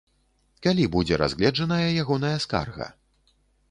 Калі будзе разгледжаная ягоная скарга?